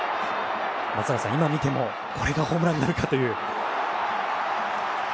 松坂さん、今見てもこれがホームランになるかという。